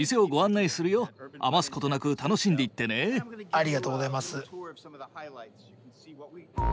ありがとうございます。